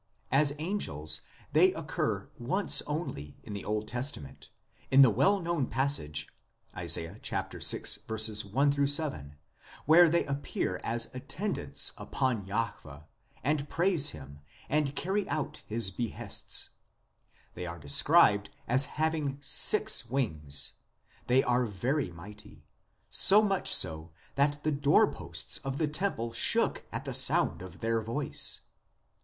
As angels they occur once only in the Old Testament, in the well known passage Isa. vi. 1 7, where they appear as attendants upon Jahwe, and praise Him, and carry out His behests. They are described as having six wings ; they are very mighty, so much so that the door posts of the temple shook at the sound of their voice.